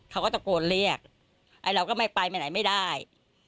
เขาก็ตะโกนเรียกไอ้เราก็ไม่ไปไปไหนไม่ได้